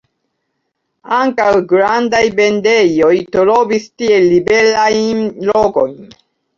Ankaŭ grandaj vendejoj trovis tie liberajn lokojn.